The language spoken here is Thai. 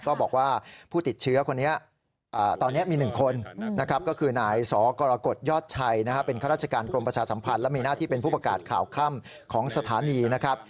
ก็บอกว่าผู้ติดเชื้อคนนี้ตอนนี้มี๑คนนะครับก็คือนายสกรกฎยอดชัยเป็นข้าราชการกรมประชาสัมพันธ์และมีหน้าที่เป็นผู้ประกาศข่าวค่ำของสถานีนะครับ